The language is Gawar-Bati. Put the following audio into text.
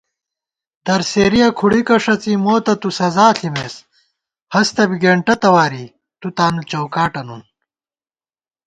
درسېرِیَہ کھُڑِکہ ݭَڅی مو تہ تُو سزا ݪِمېس * ہستہ بی گېنٹہ تواری تُو تانُو چوکاٹہ نُن